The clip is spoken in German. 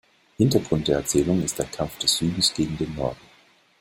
Hintergrund der Erzählungen ist der Kampf des Südens gegen den Norden.